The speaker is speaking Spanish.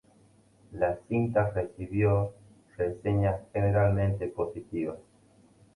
La cinta recibió reseñas generalmente positivas.